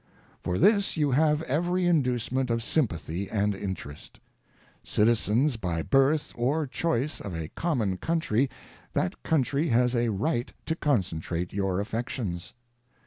For this you have every inducement of sympathy and interest. ŌĆö Citizens by birth or j. choice of a common country, that country has a right to concentrate your affections.